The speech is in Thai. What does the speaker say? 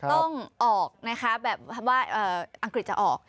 ต้องออกนะคะแบบว่าอังกฤษจะออก